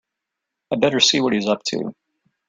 I'd better see what he's up to.